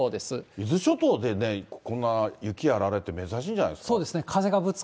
伊豆諸島でね、こんな雪やあられって珍しいんじゃないですか。